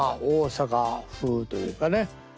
大阪風というかね。